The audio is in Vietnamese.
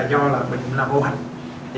do bệnh là vô hành